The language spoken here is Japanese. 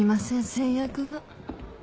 先約が。